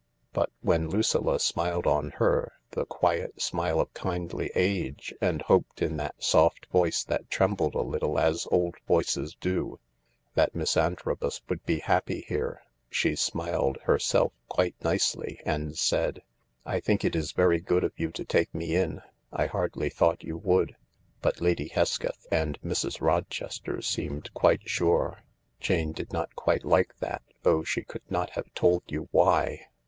But when Lucilla smiled on her the quiet smile of kindly age, and hoped in that soft voice that trembled a little, as old voices do, that Miss Antrobus would be happy here, she smiled, herself, quite nicely, and said :" I think it is very good of you to take me in. I hardly thought you would. But Lady Hesketh and Mrs. Rochester seemed quite sure." Jane did not quite like that, though she could not have told you why.